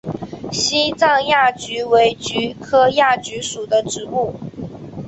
西藏亚菊为菊科亚菊属的植物。